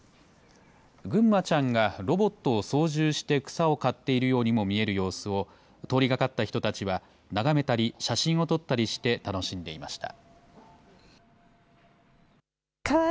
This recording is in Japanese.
ぐんまちゃんがロボットを操縦して草を刈っているようにも見える様子を、通りがかった人たちは眺めたり、写真を撮ったりして楽しんでいました。